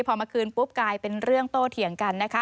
พอมาคืนปุ๊บกลายเป็นเรื่องโตเถียงกันนะคะ